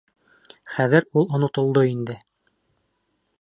Хәҙер ул онотолдо инде.